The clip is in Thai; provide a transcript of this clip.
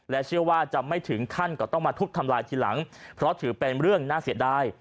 เชื่อว่าจะไม่ถึงขั้นก็ต้องมาทุบทำลายทีหลังเพราะถือเป็นเรื่องน่าเสียดาย